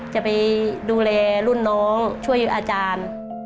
จะไปดูแลรุ่นน้องช่วยอาจารย์